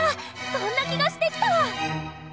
そんな気がしてきた！